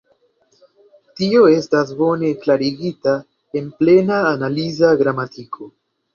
Tio estas bone klarigita en Plena Analiza Gramatiko.